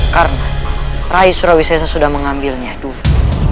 karena rai surawisesa sudah mengambilnya dulu